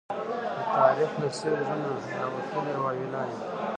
د تاريخ له سوي زړه نه، راوتلې واوي لا يم